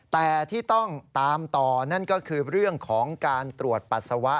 แต่ที่ต้องตามต่อนั่นก็คือเรื่องของการตรวจปัสสาวะ